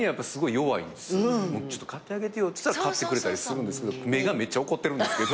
「ちょっと買ってあげてよ」って言ったら買ってくれたりするんですけど目がめっちゃ怒ってるんですけど。